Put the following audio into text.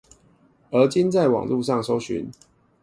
而今在網路上搜尋